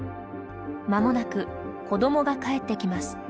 まもなく子どもが帰ってきます。